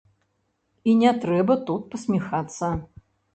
І не трэба тут пасміхацца.